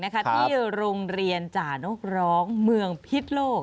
ที่โรงเรียนจ่านกร้องเมืองพิษโลก